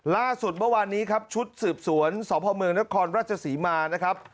ล่าสุดเมื่อวานนี้ครับชุดสืบสวนสพเมืองนครราชศรีมานะครับ